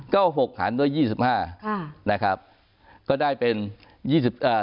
ก็หกหันด้วยยี่สิบห้าค่ะนะครับก็ได้เป็นยี่สิบเอ่อ